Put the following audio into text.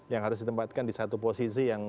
yang harus ditempatkan di satu posisi yang